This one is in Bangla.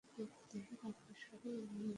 দেহের আকার সরু এবং মাঝারি দৈর্ঘ্যের লেজ রয়েছে।